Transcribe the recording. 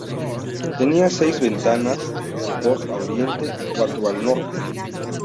Tenía seis ventanas, dos a oriente y cuatro al norte.